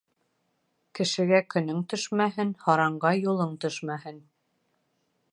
Кешегә көнөң төшмәһен, һаранға юлың төшмәһен.